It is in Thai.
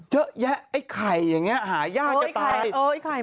เยอะแยะไอ้ไข่อย่างนี้หายากจะตาย